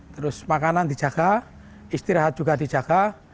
terus makanan dijaga istirahat juga dijaga